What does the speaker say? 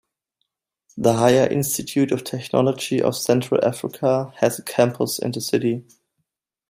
The Higher Institute of Technology of Central Africa has a campus in the city.